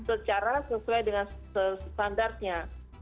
tidak sesuai dengan standarnya